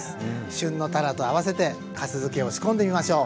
旬のたらと合わせてかす漬けを仕込んでみましょう。